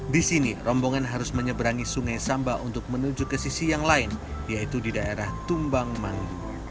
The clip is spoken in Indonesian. di sini rombongan harus menyeberangi sungai samba untuk menuju ke sisi yang lain yaitu di daerah tumbang manggu